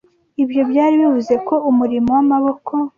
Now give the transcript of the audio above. Ibyo byari bivuze ko umurimo w’amaboko